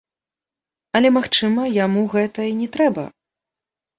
Але, магчыма, яму гэта і не трэба.